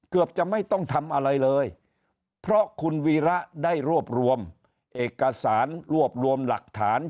เกือบจะไม่ต้องทำอะไรเลยเพราะคุณวีระได้รวบรวมเอกสารรวบรวมหลักฐาน